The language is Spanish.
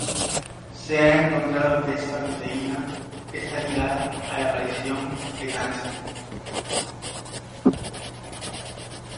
Se ha encontrado que esta proteína está ligada a la aparición de cáncer.